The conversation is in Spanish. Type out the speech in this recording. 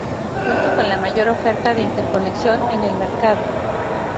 Junto con la mayor oferta de interconexión en el mercado.